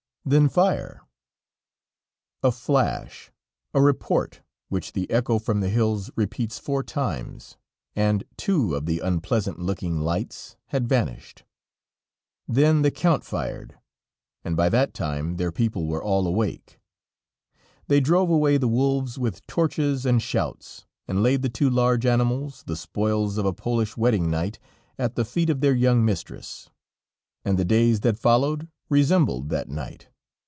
"Then fire." A flash, a report, which the echo from the hills repeats four times, and two of the unpleasant looking lights had vanished. Then the Count fired, and by that time their people were all awake; they drove away the wolves with torches and shouts, and laid the two large animals, the spoils of a Polish wedding night, at the feet of their young mistress. And the days that followed resembled that night.